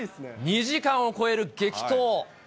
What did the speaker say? ２時間を超える激闘。